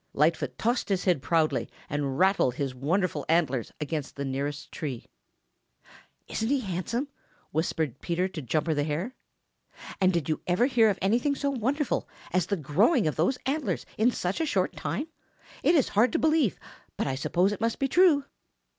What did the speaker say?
Lightfoot tossed his head proudly and rattled his wonderful antlers against the nearest tree. "Isn't he handsome," whispered Peter to Jumper the Hare; "and did you ever hear of anything so wonderful as the growing of those new antlers in such a short time? It is hard to believe, but I suppose it must be true."